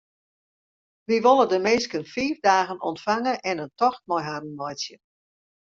Wy wolle de minsken fiif dagen ûntfange en in tocht mei harren meitsje.